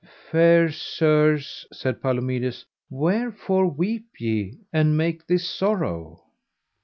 Fair sirs, said Palomides, wherefore weep ye and make this sorrow?